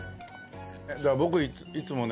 僕いつもね